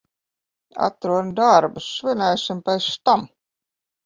Atrodi darbu, svinēsim pēc tam.